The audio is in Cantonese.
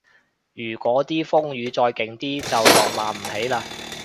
如嗰啲風雨再勁啲就浪漫唔起嘞